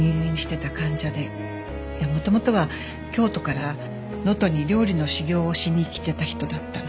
元々は京都から能登に料理の修業をしにきていた人だったの。